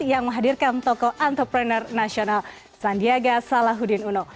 yang menghadirkan toko entrepreneur nasional sandiaga salahuddin uno